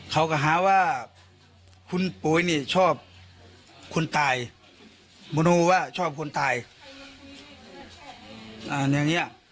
เค้ากังหาว่านักบุญชอบคนตาย